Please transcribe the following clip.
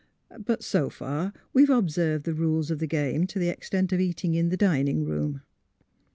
'* But so far we've observed the rules of the game to the extent of eating in the dining room."